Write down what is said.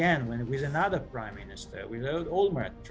kita kembali dengan pertama menteri dengan olmert